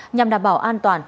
nhằm đảm bảo an toàn